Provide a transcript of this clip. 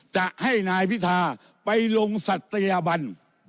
จะให้นายพิธาไปลงศัตยบัน